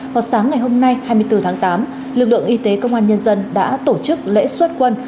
vào sáng ngày hôm nay hai mươi bốn tháng tám lực lượng y tế công an nhân dân đã tổ chức lễ xuất quân